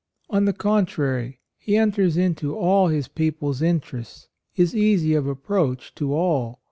87 On the contrary, he enters into all his people's interests, is easy of approach to all.